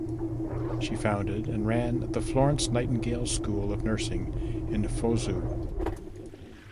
She founded and ran the Florence Nightingale School of Nursing in Fuzhou.